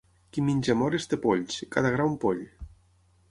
Qui menja mores té polls, cada gra un poll.